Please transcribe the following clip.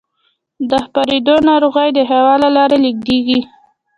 د خپرېدو ناروغۍ د هوا له لارې لېږدېږي.